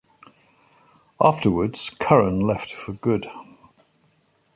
Afterwards, Curran left for good.